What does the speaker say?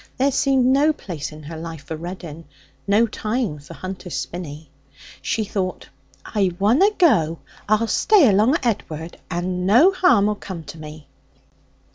There seemed no place in her life for Reddin, no time for Hunter's Spinney. She thought, 'I wunna go. I'll stay along of Ed'ard, and no harm'll come to me.'